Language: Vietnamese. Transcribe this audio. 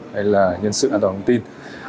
hay là nhân sự an toàn thông tin